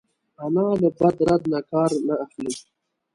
انا له بد رد نه کار نه اخلي